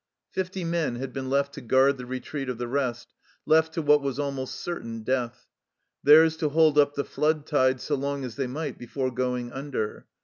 Fifty men had been left to guard the retreat of the rest, left to what was almost certain death. Theirs to hold up the flood tide so long as they might before going under.